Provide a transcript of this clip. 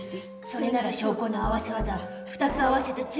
それなら証拠の合わせ技２つ合わせて強い証拠になる。